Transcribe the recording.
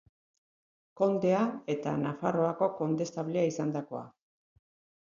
Kondea eta Nafarroako kondestablea izandakoa.